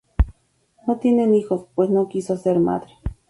No tienen hijos, pues no quiso ser madre.